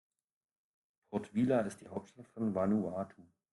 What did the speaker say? Port Vila ist die Hauptstadt von Vanuatu.